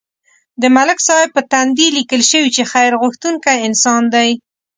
د ملک صاحب په تندي لیکل شوي چې خیر غوښتونکی انسان دی.